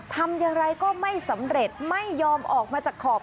ทำอย่างไรก็ไม่สำเร็จไม่ยอมออกมาจากขอบ